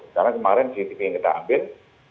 karena kemarin gdp yang kita ambil